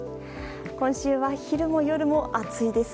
今週は、昼も夜も暑いです。